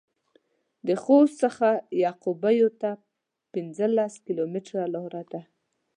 د خوست څخه يعقوبيو ته پنځلس کيلومتره لار ده.